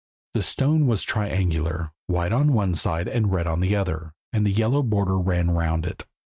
The stone was triangular, white on one side and red on the other, and a yellow border ran round it.